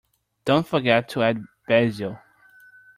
Don't forget to add Basil.